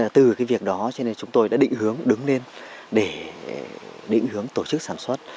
từ cái việc đó cho nên chúng tôi đã định hướng đứng lên để định hướng tổ chức sản xuất